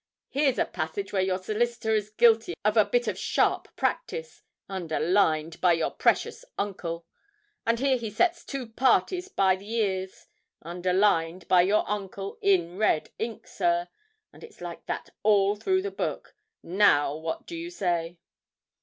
'Here's a passage where your solicitor is guilty of a bit of sharp practice underlined by your precious uncle! And here he sets two parties by the ears underlined by your uncle, in red ink, sir; and it's like that all through the book. Now what do you say?'